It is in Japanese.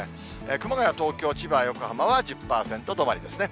熊谷、東京、千葉、横浜は１０％止まりですね。